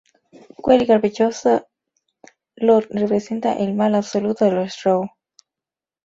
Cruel y caprichosa, Lloth representa el mal absoluto de los drow.